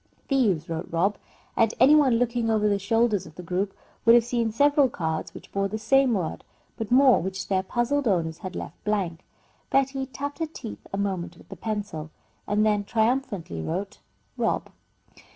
"Thieves" wrote Rob, and any one looking over the shoulders of the group would have seen several cards which bore the same word, but more which their puzzled owners had left blank. Betty tapped her teeth a moment with a pencil and then triumphantly wrote "rob."